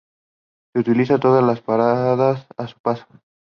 Se utilizan todas las paradas a su paso.